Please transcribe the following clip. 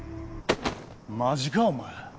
マジかお前？